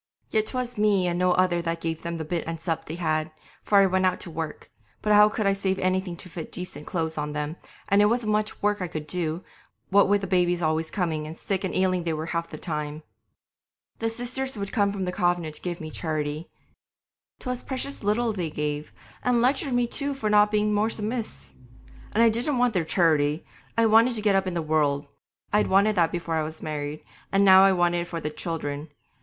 Yet 'twas me and no other that gave them the bit and sup they had, for I went out to work; but how could I save anything to fit decent clothes on them, and it wasn't much work I could do, what with the babies always coming, and sick and ailing they were half the time. The Sisters would come from the convent to give me charity. 'Twas precious little they gave, and lectured me too for not being more submiss'! And I didn't want their charity; I wanted to get up in the world. I'd wanted that before I was married, and now I wanted it for the children.